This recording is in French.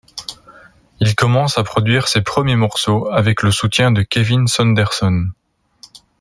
Il commence à produire ses premiers morceaux avec le soutien de Kevin Saunderson.